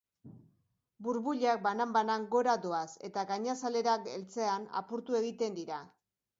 Burbuilak banan-banan gora doaz eta gainazalera heltzean apurtu egiten dira.